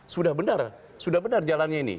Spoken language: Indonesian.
sudah benar sudah benar jalannya ini